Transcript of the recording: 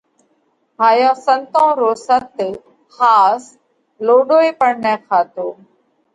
هائيون سنتون رو ست (ۿاس) لوڏو ئي پڻ نه کاتو۔